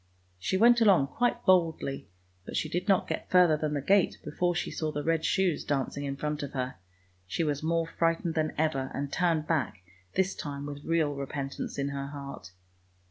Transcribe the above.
" She went along quite boldly, but she did not get further than the gate before she saw the red shoes dancing in front of her; she was more frightened than ever, and turned back, this time with real repentance in her heart.